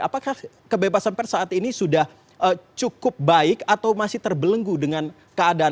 apakah kebebasan pers saat ini sudah cukup baik atau masih terbelenggu dengan keadaan